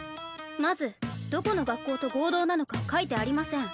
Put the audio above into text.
まずどこの学校と合同なのか書いてありません。